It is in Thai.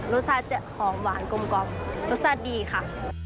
รสชาติจะหอมหวานกลมรสชาติดีค่ะ